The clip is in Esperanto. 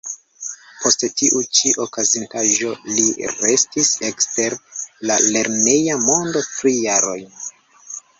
Post tiu ĉi okazintaĵo li restis ekster la lerneja mondo tri jarojn.